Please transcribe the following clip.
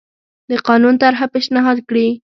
د قانون طرحه پېشنهاد کړي.